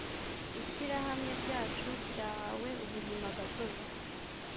ishyirahamwe ryacu cyahawe ubuzima gatozi